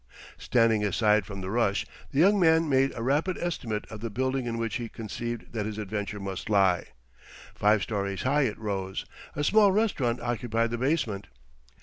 Standing aside from the rush, the young man made a rapid estimate of the building in which he conceived that his adventure must lie. Five stories high it rose. A small restaurant occupied the basement.